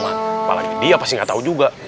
apalagi dia pasti nggak tahu juga